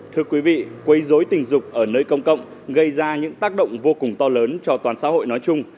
thưa quý vị quấy dối tình dục ở nơi công cộng gây ra những tác động vô cùng to lớn cho toàn xã hội nói chung